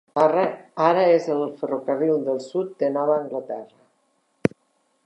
Ara és el ferrocarril del sud de Nova Anglaterra.